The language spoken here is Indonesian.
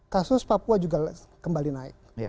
kasus papua juga kembali naik